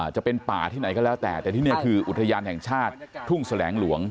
จะเป็นป่าที่ไหนก็แล้วแต่แต่ที่นี่คืออุทยานแห่งชาติทุ่งแสลงหลวง